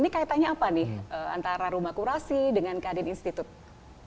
ini kaitannya apa nih antara rumah kurasi dengan kadin institute